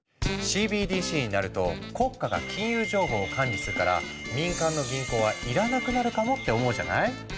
ＣＢＤＣになると国家が金融情報を管理するから民間の銀行は要らなくなるかもって思うじゃない？